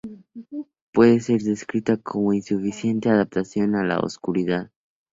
Puede ser descrita como insuficiente adaptación a la oscuridad.